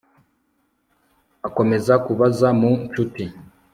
akomeza kubaza mu nshuti